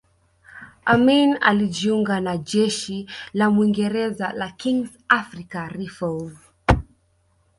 Amin alijiunga na Jeshi la Mwingereza la Kings African Rifles